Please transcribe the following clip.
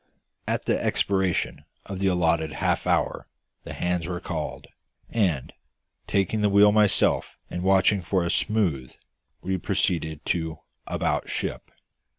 At the expiration of the allotted half hour the hands were called, and, taking the wheel myself and watching for a "smooth," we proceeded to 'bout ship.